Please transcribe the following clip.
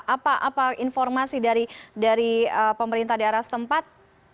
apa informasi dari pemerintah daerah setempat